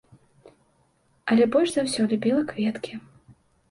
Але больш за ўсё любіла кветкі.